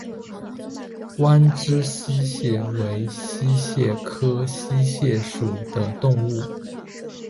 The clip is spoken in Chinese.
弯肢溪蟹为溪蟹科溪蟹属的动物。